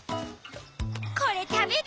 これたべる？